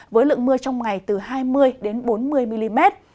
với lượng mưa trong ngày từ hai mươi bốn mươi mm